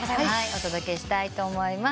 お届けしたいと思います。